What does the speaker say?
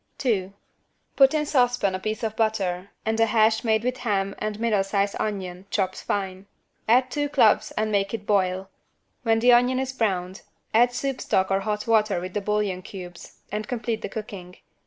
2. Put in saucepan a piece of butter and a hash made with ham and a middle sized onion, chopped fine. Add two cloves and make it boil. When the onion is browned add soup stock or hot water with bouillon cubes and complete the cooking.